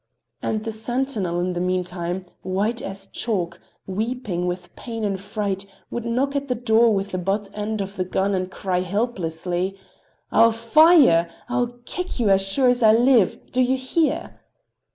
And the sentinel, in the meantime white as chalk, weeping with pain and fright, would knock at the door with the butt end of the gun and cry helplessly: "I'll fire! I'll kill you as sure as I live! Do you hear?"